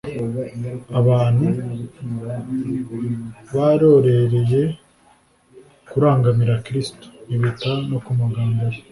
abantu barorereye kurangamira kristo, ntibita no ku magambo ye